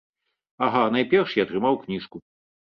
Ага, найперш я атрымаў кніжку.